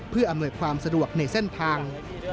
เพื่ออำนวยความสะดวกในเส้นทาง